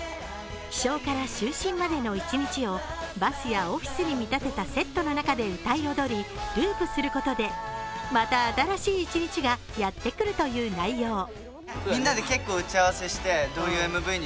起床から就寝までの一日をバスやオフィスに見立てたセットの中で歌い踊りループすることでまた新しい一日がやってくるという内容。